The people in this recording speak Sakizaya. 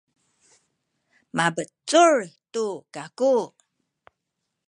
mabecul tu kaku.